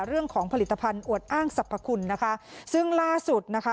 เรื่องของผลิตภัณฑ์อวดอ้างสรรพคุณนะคะซึ่งล่าสุดนะคะ